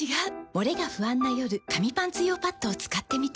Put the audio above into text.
モレが不安な夜紙パンツ用パッドを使ってみた。